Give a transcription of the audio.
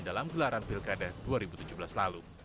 dalam gelaran pilkada dua ribu tujuh belas lalu